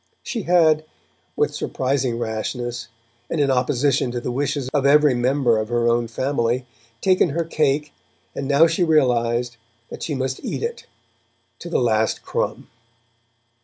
She had, with surprising rashness, and in opposition to the wishes of every member of her own family, taken her cake, and now she recognized that she must eat it, to the last crumb.